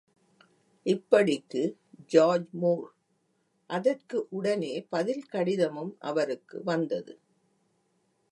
இப்படிக்கு, George Moore. அதற்கு உடனே பதில் கடிதமும் அவருக்கு வந்தது.